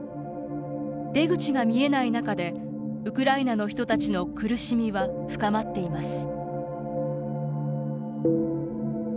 出口が見えない中でウクライナの人たちの苦しみは深まっています。